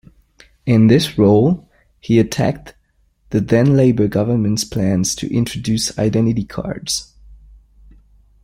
In this role, he attacked the then Labour government's plans to introduce identity cards.